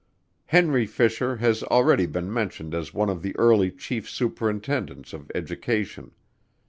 Henry Fisher has already been mentioned as one of the early Chief Superintendents of Education.